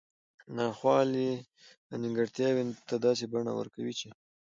نا خوالي او نیمګړتیاوو ته داسي بڼه ورکړي چې